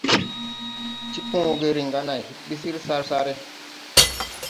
Tikooge riŋ ga nãy hig ɓi sar sare.